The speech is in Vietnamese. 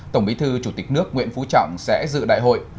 tổng bí thư chủ tịch nước nguyễn phú trọng sẽ dự đại hội